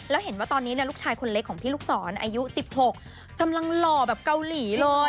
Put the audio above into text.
แล้วเห็นว่าตอนนี้ลูกชายคนเล็กของพี่ลูกศรอายุ๑๖กำลังหล่อแบบเกาหลีเลย